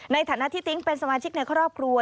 ในฐานะที่ติ๊งเป็นสมาชิกในครอบครัว